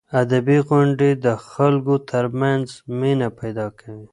ادبي غونډې د خلکو ترمنځ مینه پیدا کوي.